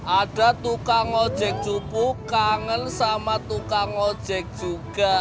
ada tukang ojek jupuk kangen sama tukang ojek juga